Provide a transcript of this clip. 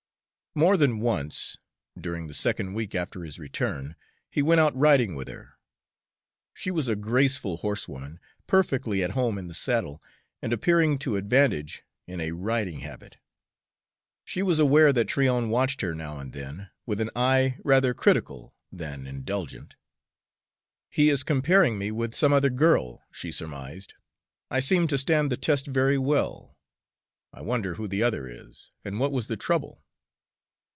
More than once, during the second week after his return, he went out riding with her; she was a graceful horsewoman, perfectly at home in the saddle, and appearing to advantage in a riding habit. She was aware that Tryon watched her now and then, with an eye rather critical than indulgent. "He is comparing me with some other girl," she surmised. "I seem to stand the test very well. I wonder who the other is, and what was the trouble?"